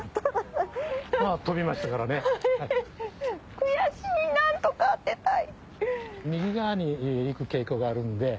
悔しい何とか当てたい！